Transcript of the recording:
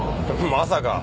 まさか。